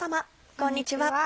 こんにちは。